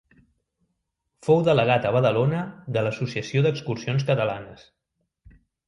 Fou delegat a Badalona de l'Associació d'Excursions Catalanes.